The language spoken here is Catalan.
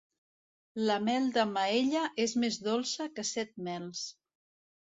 La mel de Maella és més dolça que set mels.